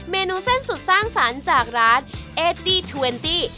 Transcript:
เมนูเส้นสุดสร้างสรรค์จากร้านเอดดี้ทวนตี้